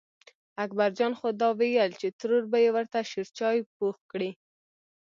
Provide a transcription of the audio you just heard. اکبر جان خو دا وېل چې ترور به یې ورته شېرچای پوخ کړي.